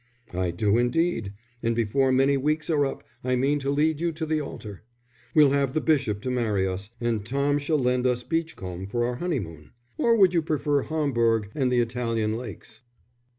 "I do indeed, and before many weeks are up I mean to lead you to the altar. We'll have the bishop to marry us, and Tom shall lend us Beachcombe for our honeymoon. Or would you prefer Homburg and the Italian Lakes?"